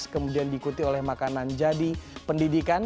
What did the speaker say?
kemudian diikuti oleh makanan jadi pendidikan